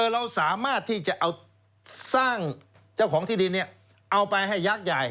เราสามารถที่จะเอาสร้างเจ้าของที่ดินเอาไปให้ยักษ์ใหญ่